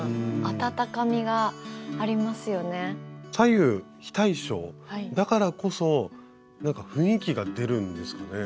左右非対称だからこそなんか雰囲気が出るんですかね？